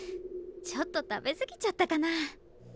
ちょっと食べ過ぎちゃったかな？